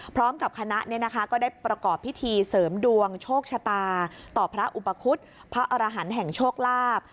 พร้อมกับคณะก็ได้ประกอบพิธีเสริมดวงโชคชะตาต่อพระอุปคุฎพระอรหันต์แห่งโชคลาภ